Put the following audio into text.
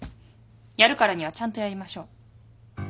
やるからにはちゃんとやりましょう。